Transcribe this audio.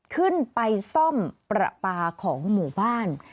ขึ้นไปซ่อมประปาของหมู่บ้าน